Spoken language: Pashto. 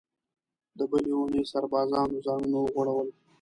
د بلې اوونۍ سربازانو ځانونه وغوړول.